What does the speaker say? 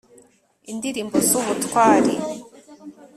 indirimbo z'ubutwari